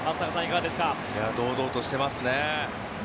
堂々としてますね。